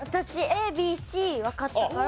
ＡＢＣわかったから。